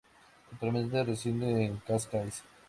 Actualmente reside en Cascais.